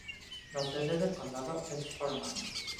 La sede del condado es Forman.